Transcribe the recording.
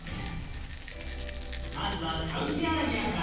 まずはサウジアラビアから。